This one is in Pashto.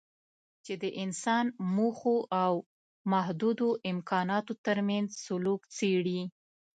چې د انسان موخو او محدودو امکاناتو ترمنځ سلوک څېړي.